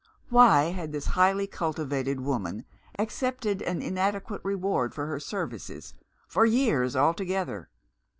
Why had this highly cultivated woman accepted an inadequate reward for her services, for years together?